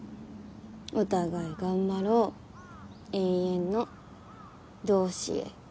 「お互いがんばろう」「永遠の同士へ」